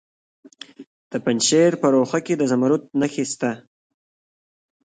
د پنجشیر په روخه کې د زمرد نښې شته.